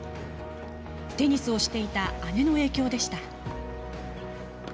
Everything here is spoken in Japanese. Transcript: テニスをしていた姉の影響でした。